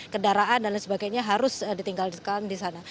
kendaraan dan lain sebagainya harus ditinggalkan di sana